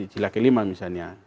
sila kelima misalnya